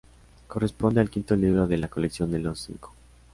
Corresponde al quinto libro de la colección de Los Cinco.